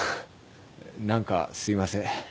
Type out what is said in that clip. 何かすいません。